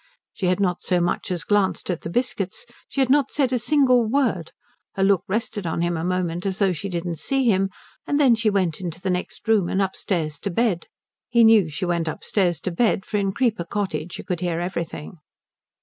She had not so much as glanced at the biscuits; she had not said a single word; her look rested on him a moment as though she did not see him and then she went into the next room and upstairs to bed. He knew she went upstairs to bed for in Creeper Cottage you could hear everything.